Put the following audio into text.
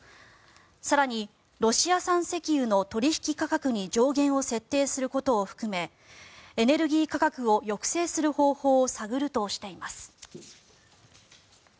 更に、ロシア産石油の取引価格に上限を設定することを含めエネルギー価格を抑制する方法を探るとしています。